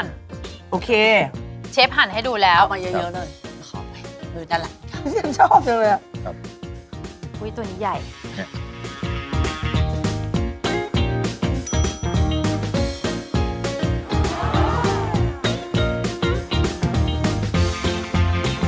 เนาะ